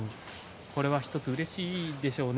これは１つうれしいでしょうね。